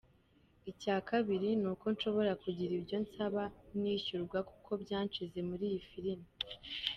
"Icya kabiri, ni uko nshobora kugira ibyo nsaba nishyurwa kuko banshyize muri iyo filime.